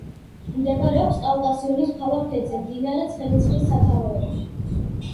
მდებარეობს კავკასიონის მთავარ ქედზე, მდინარე ცხენისწყლის სათავეებში.